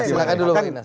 silahkan dulu pak indief